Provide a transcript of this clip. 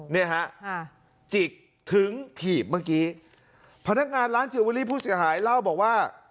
เนี่ยฮะจิกถึงถีบเมื่อกี้พนักงานร้านจิลเวอรี่ผู้เสียหายเล่าบอกว่า